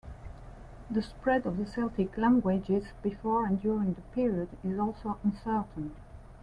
The spread of the Celtic languages before and during the period is also uncertain.